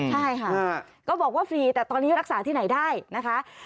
ใช่ค่ะก็บอกว่าฟรีแต่ตอนนี้รักษาที่ไหนได้นะคะ